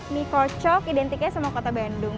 mie kocok identiknya sama kota bandung